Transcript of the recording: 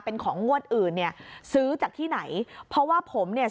เป็นของงวดอื่นเนี่ยซื้อจากที่ไหนเพราะว่าผมเนี่ย